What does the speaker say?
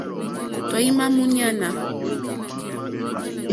Tɔ̀ímá !múɲánà.